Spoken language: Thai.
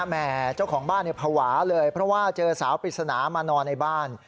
แม่เจ้าของบ้านภาวะเลยเพราะว่าเจอสาวปริศนามานอนในบ้าน